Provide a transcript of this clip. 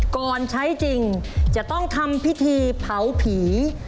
ก่อนใช้จริงจะต้องทำพิธีเผาผี